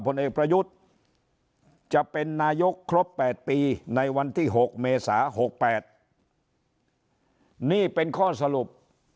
ผลเอกประยุทธ์จะเป็นนายกครบ๘ปีในวันที่๖เมษา๖๘นี่เป็นข้อสรุป